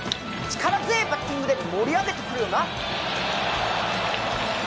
力強ぇバッティングで盛り上げてくれよな。